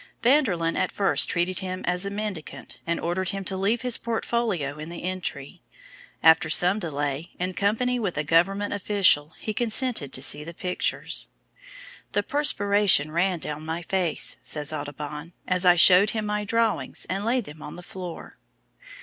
Vanderlyn at first treated him as a mendicant and ordered him to leave his portfolio in the entry. After some delay, in company with a government official, he consented to see the pictures. "The perspiration ran down my face," says Audubon, "as I showed him my drawings and laid them on the floor."